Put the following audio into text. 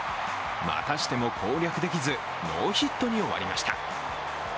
またしても攻略できず、ノーヒットに終わりました。